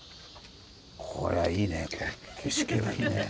これはいいね景色がね。